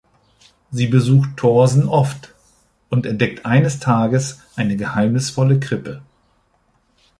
Sie besucht Thorsen oft und entdeckt eines Tages eine geheimnisvolle Krippe.